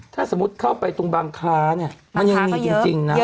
ถ้าสมมุติเข้าไปตรงบางค้าเนี่ยมันยังมีจริงนะ